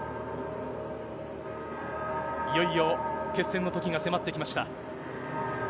いよいよ決戦の時が迫ってきました。